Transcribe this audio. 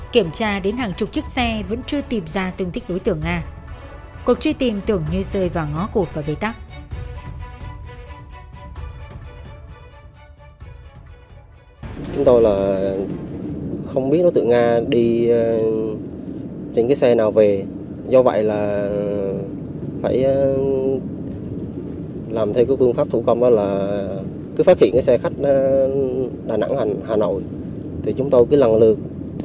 kiểm tra đến hàng chục chiếc xe vẫn chưa tìm ra tương tích đối tượng nga cuộc truy tìm tưởng như rơi vào ngó cột và bề tắc